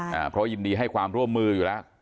ใช่อ่าเพราะว่ายินดีให้ความร่วมมืออยู่แล้ว